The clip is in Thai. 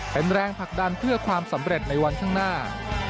เป็นแรงผลักดันเพื่อความสำเร็จในวันข้างหน้า